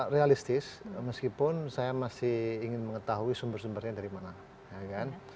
realistis meskipun saya masih ingin mengetahui sumber sumbernya dari mana ya kan